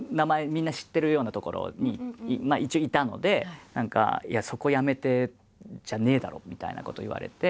みんな知ってるようなところに一応いたのでそこを辞めてじゃねえだろみたいなこと言われて。